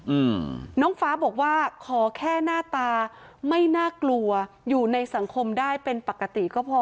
อืมน้องฟ้าบอกว่าขอแค่หน้าตาไม่น่ากลัวอยู่ในสังคมได้เป็นปกติก็พอ